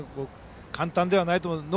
簡単ではないと思います。